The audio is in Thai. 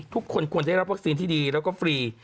ทุกคนควรได้รับวัคซีนที่ดีแล้วก็ฟรี